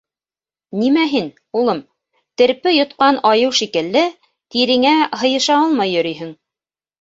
Нимә һин, улым, терпе йотҡан айыу шикелле тиреңә һыйыша алмай йөрөйһөң?